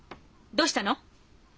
どうしたの？